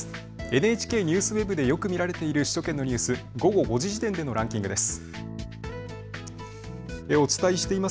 ＮＨＫＮＥＷＳＷＥＢでよく見られている首都圏のニュース、午後５時時点でのランキングです。